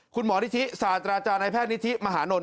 คุณหมอนิทธิสาจราจารย์นายแพทย์นิทธิมหานล